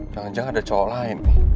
jangan jangan ada cowok lain